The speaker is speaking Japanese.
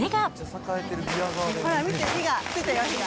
ほら見て、火が、ついたよ、火が。